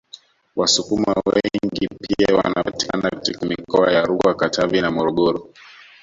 Wasukuma wengi pia wanapatikana katika mikoa ya RukwaKatavi na Morogoro